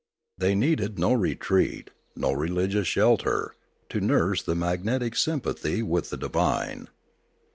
They needed no retreat, no religious shelter, to nurse the magnetic sympathy with the divine.